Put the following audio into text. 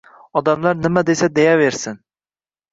Odamlar nima desa deyaversin